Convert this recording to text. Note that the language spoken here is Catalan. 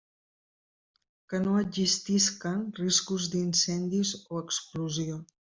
Que no existisquen riscos d'incendis o explosió.